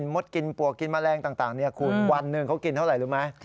มดกินปวกกินแมลงต่างคุณวันหนึ่งเขากินเท่าไหร่รู้ไหม